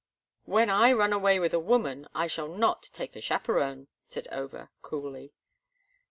"When I run away with a woman I shall not take a chaperon," said Over, coolly.